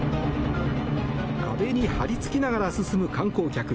壁に張り付きながら進む観光客。